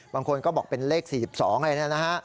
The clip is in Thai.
บางคนก็บอกเป็นเลข๔๒อะไรนะฮะ